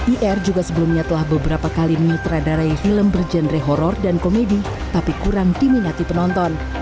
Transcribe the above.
ir juga sebelumnya telah beberapa kali menyutradarai film berjenre horror dan komedi tapi kurang diminati penonton